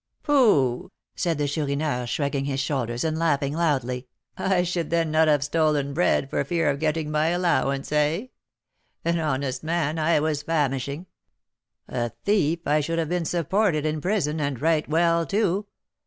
"Pooh!" said the Chourineur, shrugging his shoulders, and laughing loudly, "I should then not have stolen bread, for fear of getting my allowance, eh? An honest man, I was famishing; a thief, I should have been supported in prison, and right well, too!